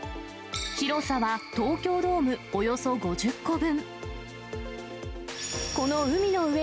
広さは東京ドームおよそ５０個分。